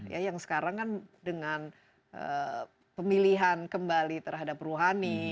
ya yang sekarang kan dengan pemilihan kembali terhadap rohani